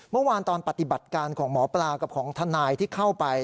เมื่อวานตอนปฏิบัติการของหมอปลากับของทนายที่เข้าไป